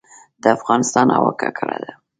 د افغانستان هوا ککړه ده